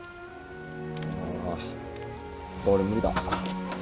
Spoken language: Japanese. あ俺無理だ。